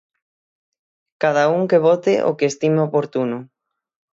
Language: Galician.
Cada un que vote o que estime oportuno.